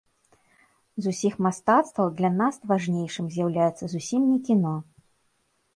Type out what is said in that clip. З усіх мастацтваў для нас важнейшым з'яўляецца зусім не кіно.